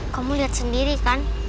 kamu lihat sendiri kan